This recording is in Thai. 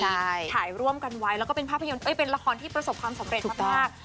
ข่ายร่วมกันไว้แล้วก็เป็นราคอนที่ประสบความสำเร็จมาก